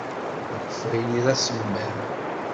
Akeffay-nni d asemmam.